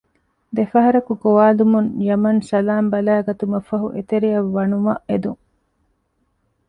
ދެފަހަރަކު ގޮވާލުމުން ޔަމަން ސަލާމް ބަލައިގަތުމަށް ފަހު އެތެރެއަށް ވަނުމަށް އެދުން